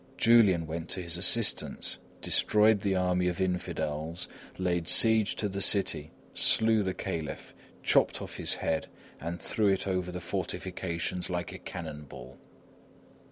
Julian went to his assistance, destroyed the army of infidels, laid siege to the city, slew the Caliph, chopped off his head and threw it over the fortifications like a cannon ball.